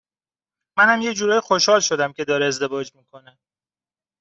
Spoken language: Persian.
منم یه جورایی خوشحال شدم که داره ازدواج می کنه